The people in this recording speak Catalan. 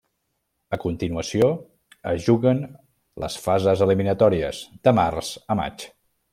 A continuació es juguen les fases eliminatòries, de març a maig.